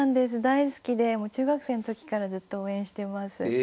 大好きでもう中学生の時からずっと応援してます。